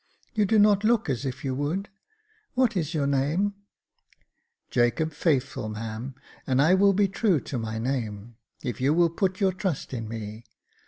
" You do not look as if you would. What is your name ?" "Jacob Faithful, ma'am, and I will be true to my name, if you will put your trust in me.